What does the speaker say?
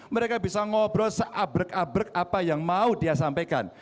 mereka bisa ngobrol seabrek abrek apa yang mau dia sampaikan